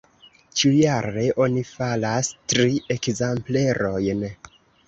Ĉiujare oni faras tri ekzemplerojn.